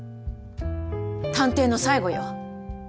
探偵の最後よ。